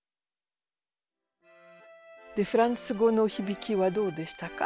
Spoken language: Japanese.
フランス語のひびきはどうでしたか？